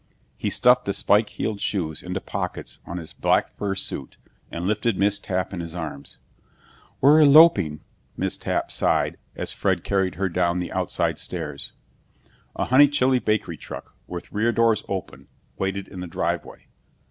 He stuffed the spike heeled shoes into pockets of his black fur suit and lifted Miss Tapp in his arms. "We're eloping!" Miss Tapp sighed as Fred carried her down the outside stairs. A Honeychile Bakery truck, with rear doors open, waited in the driveway.